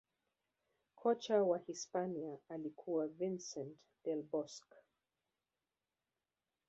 kocha wa hisipania alikuwa vincent del bosque